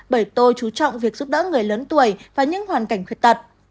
bởi tôi chú trọng việc giúp đỡ người lớn tuổi và những hoàn cảnh khuyết tật